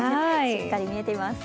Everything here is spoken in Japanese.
しっかり見えています。